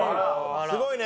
すごいね！